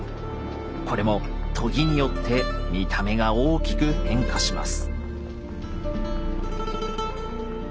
これも研ぎによって見た目が大きく変化します。